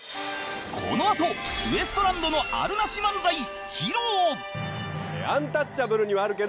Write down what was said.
このあとウエストランドのあるなし漫才披露！